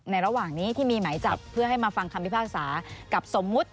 ระหว่างนี้ที่มีหมายจับเพื่อให้มาฟังคำพิพากษากับสมมุติ